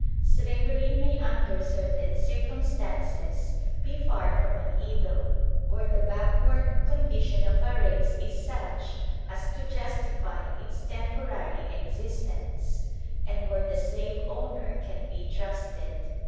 Slavery may under certain circumstances be far from an evil, where the backward condition of a race is such as to justify its temporary existence, and where the slave owner can be trusted.